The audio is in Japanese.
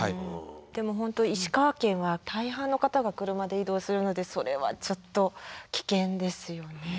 でも本当石川県は大半の方が車で移動するのでそれはちょっと危険ですよね。